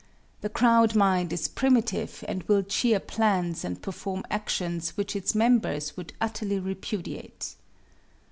The crowd mind is primitive and will cheer plans and perform actions which its members would utterly repudiate.